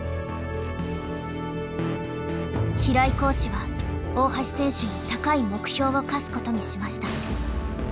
平井コーチは大橋選手に高い目標を課すことにしました。